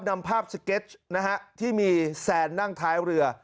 นำภาพสเก็ตนะฮะที่มีแซนนั่งท้ายเรือ